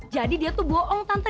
jadi dia tuh bohong tante